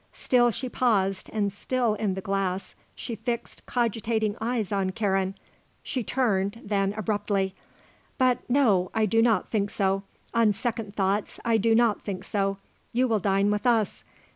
Still she paused and still, in the glass, she fixed cogitating eyes on Karen. She turned, then, abruptly. "But no; I do not think so. On second thoughts I do not think so. You will dine with us.